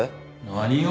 何を？